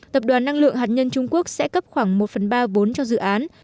tập đoàn năng lượng hạt nhân trung quốc sẽ cấp khoảng một phần ba vốn cho dự án